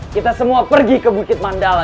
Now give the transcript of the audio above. kita semua pergi ke bukit mandala